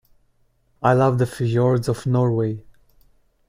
I love the fjords of Norway.